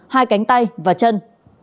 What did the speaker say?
hai cánh tay và chân